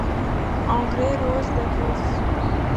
En grès rose des Vosges.